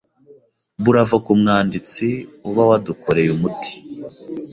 bravoo ku mwanditsi uba wadukoreye umuti